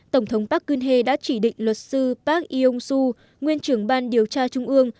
tổng thống park geun hye đã chỉ định luật sư park yong su nguyên trưởng ban điều tra trung ương